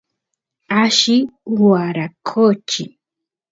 alli waraqochi